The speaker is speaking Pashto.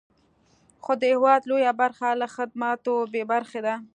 خو د هېواد لویه برخه له خدماتو بې برخې ده.